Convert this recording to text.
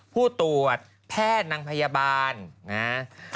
ผู้ตรวจแพทย์นางพยาบาลนะฮะ